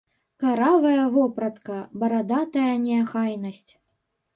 Каравая вопратка, барадатая неахайнасць!